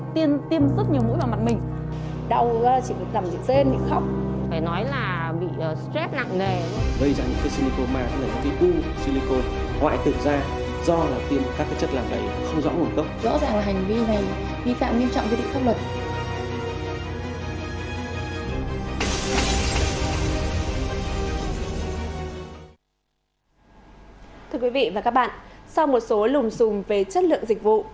thưa quý vị và các bạn sau một số lùm xùm về chất lượng dịch vụ